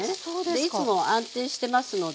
でいつも安定してますので。